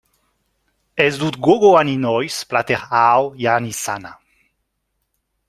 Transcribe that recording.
Ez dut gogoan inoiz plater hau jan izana.